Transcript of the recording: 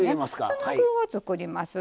その具を作ります。